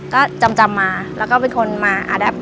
ก็จำแล้วคนมา